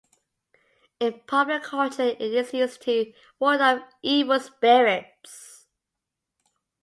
In popular culture it is used to ward off evil spirits.